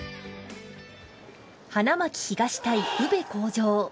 花巻東対宇部鴻城。